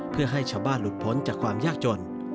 เพื่อให้ชาวบ้านหลุดพ้นจากความยากจน